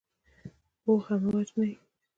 پوه مه وژنئ.